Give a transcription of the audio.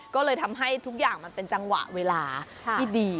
ก็เลยทำให้ทุกอย่างมันเป็นจังหวะเวลาที่ดี